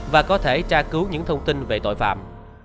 và có thể tra cứu những thông tin về tội phạm